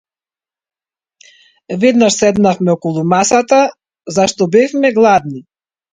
Веднаш седнавме околу масата зашто бевме гладни.